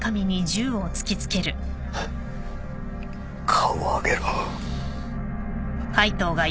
顔を上げろ。